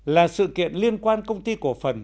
là sự kiện liên quan công ty cổ phần